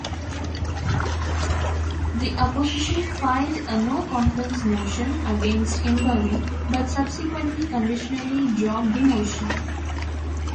The opposition filed a no-confidence motion against Imbali but subsequently conditionally dropped the motion.